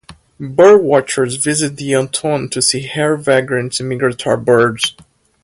Birdwatchers visit in autumn to see rare vagrants and migratory birds.